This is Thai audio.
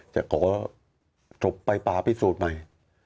จะขอศพไปป่าพิสูจน์ใหม่